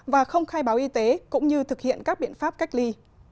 và không khai báo y tế cũng như thực hiện các biện pháp cách ly